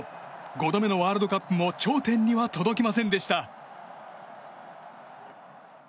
５度目のワールドカップも頂点には届きませんでした。